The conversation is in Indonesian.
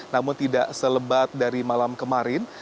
namun tidak selebat dari malam kemarin